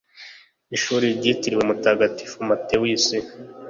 Ishuri ryitiriwe Mutagatifu Mathews